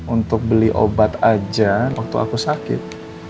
untuk beli obat aja waktu aku sakit